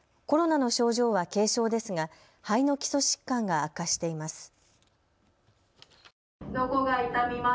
コロナの症状は軽症ですが肺の基礎疾患が悪化しています。